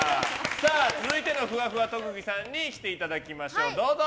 続いてのふわふわ特技さんに来ていただきましょうどうぞ！